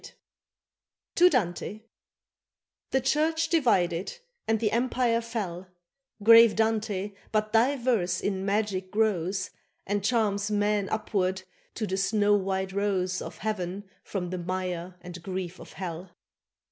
XX TO DANTE THE Church divided and the Empire fell, Grave Dante, but thy verse in magic grows And charms men upward to the snow white Rose Of heaven from the mire and grief of hell.